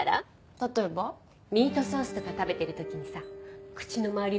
例えば？ミートソースとか食べてる時にさ口の周り